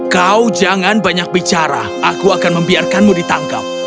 kau jangan banyak bicara aku akan membiarkanmu ditangkap